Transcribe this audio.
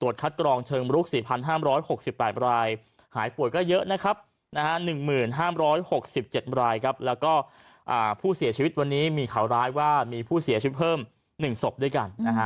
แล้วก็ผู้เสียชีวิตวันนี้มีข่าวร้ายว่ามีผู้เสียชีวิตเพิ่ม๑ศพด้วยกัน